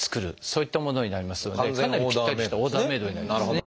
そういったものになりますのでかなりぴったりしたオーダーメードになりますね。